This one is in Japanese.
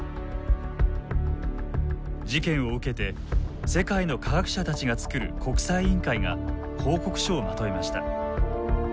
事件を受けて世界の科学者たちが作る国際委員会が報告書をまとめました。